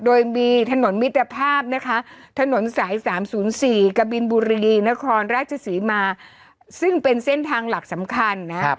โดยมีถนนมิตรภาพนะคะถนนสาย๓๐๔กบินบุรีนครราชศรีมาซึ่งเป็นเส้นทางหลักสำคัญนะครับ